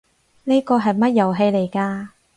呢個係乜遊戲嚟㗎？